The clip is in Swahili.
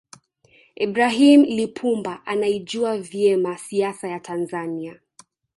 ibrahim Lipumba anaijua vyema siasa ya tanzania